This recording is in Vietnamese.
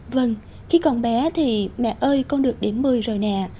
vâng khi còn bé thì mẹ ơi con được điểm một mươi rồi nè